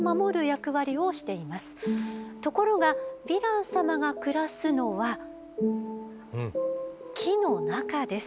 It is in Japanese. ところがヴィラン様が暮らすのは木の中です。